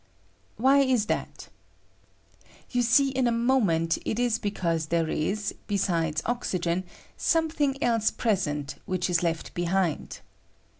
Why is that ? You see in a moment it is because there is, besides oxygen, something else present which is left behind.